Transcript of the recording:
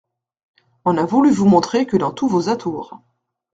On n’a voulu vous montrer que dans tous vos atours.